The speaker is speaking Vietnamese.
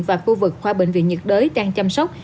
và khu vực khoa bệnh viện nhiệt đới đang chăm sóc